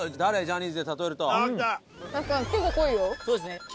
そうですね。